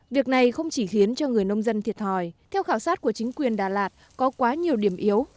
việc này không chỉ khiến cho người nông dân thiệt hỏi theo khảo sát của chính quyền đà lạt có quá nhiều điểm yếu